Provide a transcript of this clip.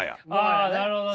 ああなるほどね。